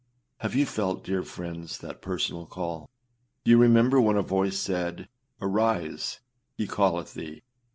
Have you felt, dear friends, that personal call? Do you remember when a voice said, âArise, he calleth thee.